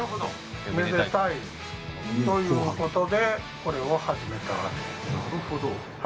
めでたいということでこれを始めたわけです。